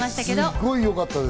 すっごい良かったです！